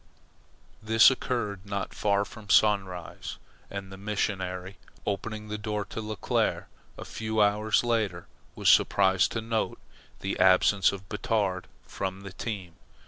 This occurred not far from Sunrise, and the missionary, opening the door to Leclere a few hours later, was surprised to note the absence of Batard from the team.